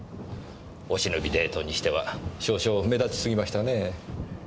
お忍びデートにしては少々目立ちすぎましたねぇ。